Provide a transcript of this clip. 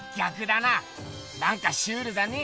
なんかシュールだね。